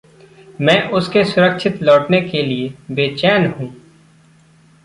मैं उसके सुरक्षित लौटने के लिए बेचैन हूँ।